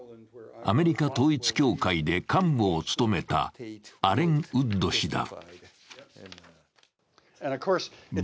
アメリカ統一教会で幹部を務めたアレン・ウッド氏だ。